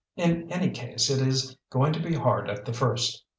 In any case it is going to be hard at the first.